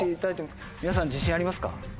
皆さん自信ありますか？